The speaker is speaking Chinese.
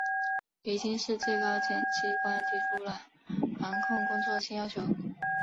北京市、最高检机关提出了防控工作新要求